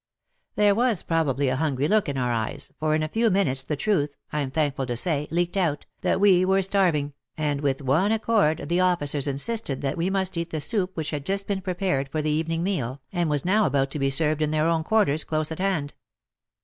There was probably a hungry look in our eyes, for in a few minutes the truth — I'm thank ful to say — leaked out, that we were starving, and with one accord the officers insisted that we must eat the soup which had just been prepared for the evening meal, and was now about to be served in their own quarters close at hand.